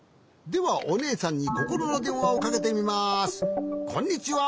ではおねえさんにココロのでんわをかけてみます。